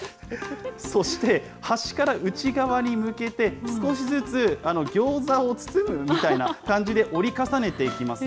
そして端から内側に向けて、少しずつギョーザを包むみたいな感じで折り重ねていきます。